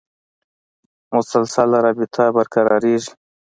مسلسله رابطه برقرارېږي.